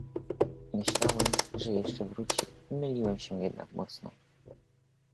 "Myślałem, że jeszcze wróci, myliłem się jednak mocno."